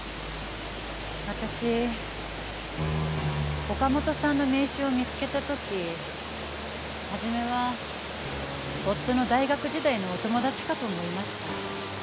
私岡本さんの名刺を見つけた時初めは夫の大学時代のお友達かと思いました。